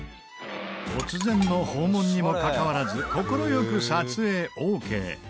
突然の訪問にもかかわらず快く撮影オーケー。